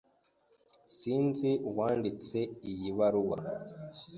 Sinzi uwanditse iyi baruwa.